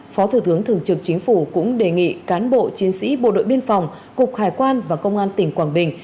phó thủ tướng thường trực chính phủ cũng đề nghị cán bộ chiến sĩ bộ đội biên phòng cục hải quan và công an tỉnh quảng bình